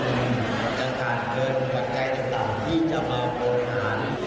มันกลายต้นทุนจนการเกิดอุปกรณ์ใกล้ต่ำที่จะมาโบราณ